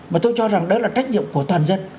mà tôi cho rằng đó là trách nhiệm của toàn dân